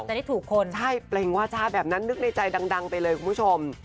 จะได้ถูกคนใช่เปล่งวาจาแบบนั้นนึกในใจดังไปเลยคุณผู้ชม